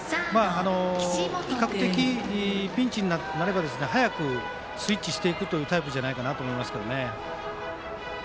比較的、ピンチになれば早くスイッチしていくというタイプじゃないかなと思いますけどね。